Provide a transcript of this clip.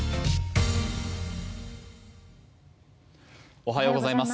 おはようございます。